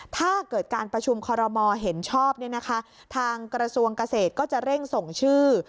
ถ้าเกิดการประชุมคอรมอลเห็นชอบทางกระทรวงเกษตรก็จะเร่งส่งชื่อ